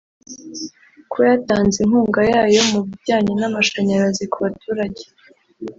kuba yatanze inkunga yayo mu bijyanye n’amashanyarazi ku baturage